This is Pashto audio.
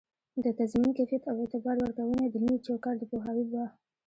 د تضمین کیفیت او اعتبار ورکووني د نوي چوکات د پوهاوي په